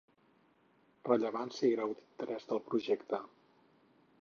Rellevància i grau d'interès del projecte.